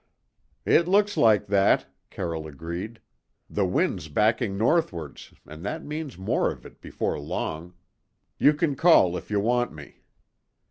"It looks like that," Carroll agreed. "The wind's backing northwards, and that means more of it before long. You can call if you want me."